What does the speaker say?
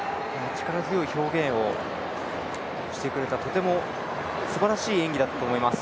力強い表現をしてくれたとてもすばらしい演技だったと思います。